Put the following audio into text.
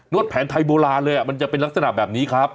วดแผนไทยโบราณเลยมันจะเป็นลักษณะแบบนี้ครับ